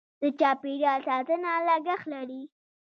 د چاپیریال ساتنه لګښت لري.